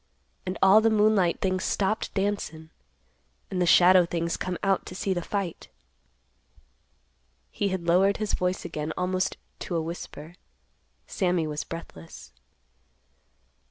And all the moonlight things stopped dancin', and the shadow things come out to see the fight." He had lowered his voice again almost to a whisper. Sammy was breathless.